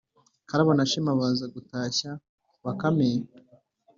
karabo na shema baza gutashya bakame